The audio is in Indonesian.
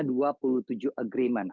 dua puluh tujuh agreement